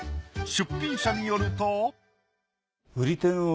出品者によるとえぇ！？